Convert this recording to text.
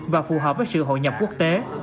và phù hợp với sự hội nhập quốc tế